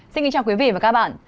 xin kính chào quý vị và các bạn